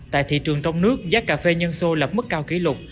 tại thị trường trong nước giá cà phê nhân sô lập mức cao kỷ lục